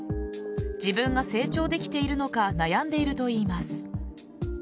自分が成長できているのか悩んでいるといいます。